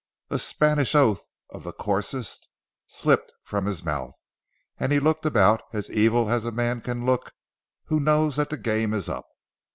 A Spanish oath of the coarsest slipped from his mouth, and he looked about as evil as a man can look who knows that the game is up.